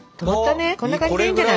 こんな感じでいいんじゃない？